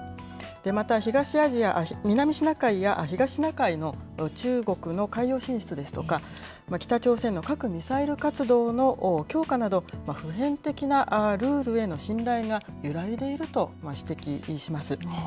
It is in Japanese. また南シナ海や東シナ海への中国の海洋進出ですとか、北朝鮮の核・ミサイル活動の強化など、普遍的なルールへの信頼が揺らいでいると指摘します。